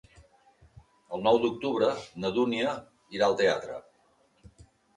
El nou d'octubre na Dúnia irà al teatre.